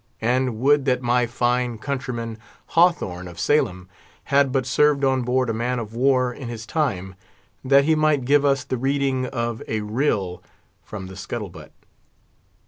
And would that my fine countryman, Hawthorne of Salem, had but served on board a man of war in his time, that he might give us the reading of a "rill" from the scuttle butt.